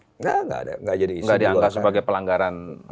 tidak bisa dianggap sebagai pelanggaran